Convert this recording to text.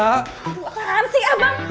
aduh apaan sih abang